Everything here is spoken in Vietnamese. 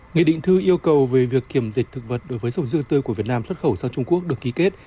nghị định thư yêu cầu về việc kiểm dịch thực vật đối với sầu riêng tươi của việt nam xuất khẩu sang trung quốc được ký kết